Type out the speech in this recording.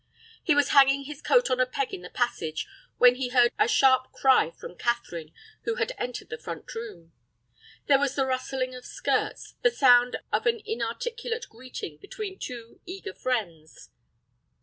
He was hanging his coat on a peg in the passage, when he heard a sharp cry from Catherine, who had entered the front room. There was the rustling of skirts, the sound of an inarticulate greeting between two eager friends.